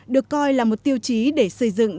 được coi là một tiêu chí để xây dựng